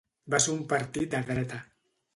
Va ser un partit de dreta.